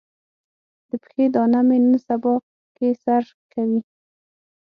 د پښې دانه مې نن سبا کې سر کوي.